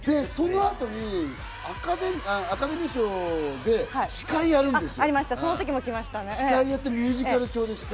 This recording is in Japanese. そのあとにアカデミー賞で司会やるんですよ。